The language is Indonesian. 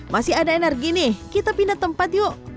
masih ada energi nih kita pindah tempat yuk